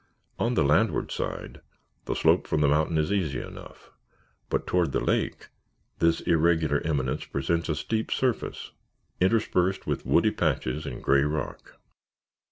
On the landward side the slope from the mountain is easy enough, but toward the lake this irregular eminence presents a steep surface interspersed with woody patches and gray rock.